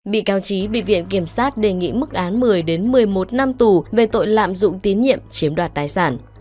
bị cáo trí bị viện kiểm sát đề nghị mức án một mươi một mươi một năm tù về tội lạm dụng tín nhiệm chiếm đoạt tài sản